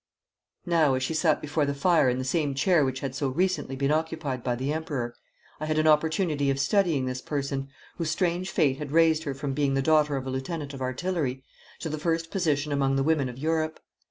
Now as she sat before the fire in the same chair which had so recently been occupied by the Emperor, I had an opportunity of studying this person, whose strange fate had raised her from being the daughter of a lieutenant of artillery to the first position among the women of Europe.